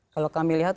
kalau kami lihat